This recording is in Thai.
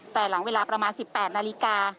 แต่หลังเวลาประมาณ๑๘นาฬิกา